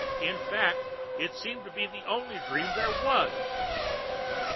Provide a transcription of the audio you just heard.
In fact, it seemed to be the only dream there was!